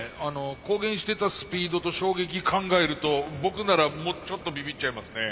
公言してたスピードと衝撃考えると僕ならちょっとびびっちゃいますね。